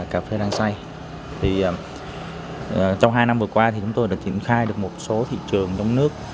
cà phê rang xay trong hai năm vừa qua chúng tôi đã triển khai được một số thị trường trong nước